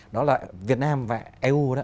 đó là việt nam và eu